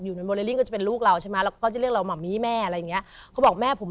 อยู่ในโมเดลลิ้งก็จะเป็นลูกเราใช่ไหม